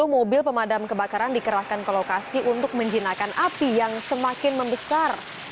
dua puluh mobil pemadam kebakaran dikerahkan ke lokasi untuk menjinakan api yang semakin membesar